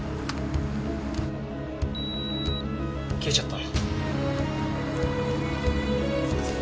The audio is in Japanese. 消えちゃった。